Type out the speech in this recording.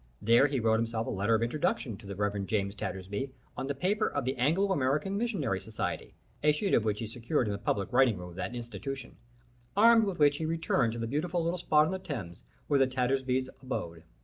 There he wrote himself a letter of introduction to the Reverend James Tattersby, on the paper of the Anglo American Missionary Society, a sheet of which he secured in the public writing room of that institution, armed with which he returned to the beautiful little spot on the Thames where the Tattersbys abode.